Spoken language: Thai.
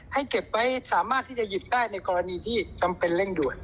เก็บไว้สามารถที่จะหยิบได้ในกรณีที่จำเป็นเร่งด่วน